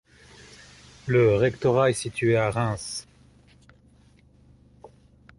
Le rectorat est situé à Reims.